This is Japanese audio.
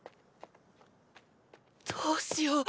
どうしよう